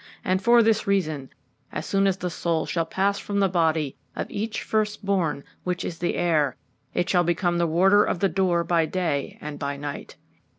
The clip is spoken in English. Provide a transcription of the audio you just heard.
And for this reason, as soon as the soul shall pass from the body of each first born, which is the heir, it shall become the warder of the door by day and by night.